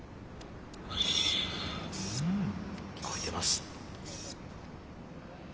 聞こえてます。